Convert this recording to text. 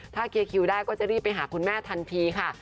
ถ้าเคลียร์คิวได้ก็จะรีบไปหาคุณแม่ทันทีค่ะ